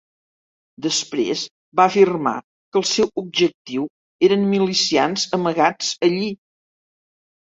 Després va afirmar que el seu objectiu eren milicians amagats allí.